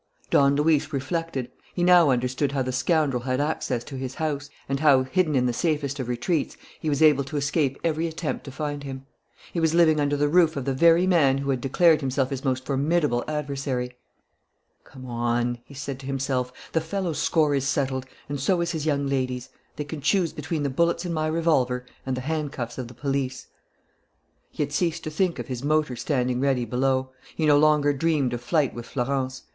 Don Luis reflected. He now understood how the scoundrel had access to his house, and how, hidden in the safest of retreats, he was able to escape every attempt to find him. He was living under the roof of the very man who had declared himself his most formidable adversary. "Come on," he said to himself. "The fellow's score is settled and so is his young lady's. They can choose between the bullets in my revolver and the handcuffs of the police." He had ceased to think of his motor standing ready below. He no longer dreamt of flight with Florence.